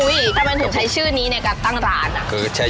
ทำไมถึงใช้ชื่อนี้ในการตั้งร้านอ่ะ